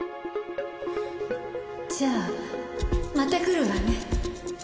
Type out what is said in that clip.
じゃあまた来るわね。